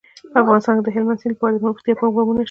په افغانستان کې د هلمند سیند لپاره د پرمختیا پروګرامونه شته.